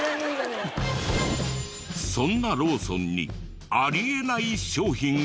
そんなローソンにあり得ない商品が。